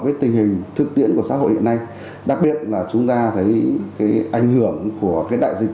với tình hình thực tiễn của xã hội hiện nay đặc biệt là chúng ta thấy cái ảnh hưởng của cái đại dịch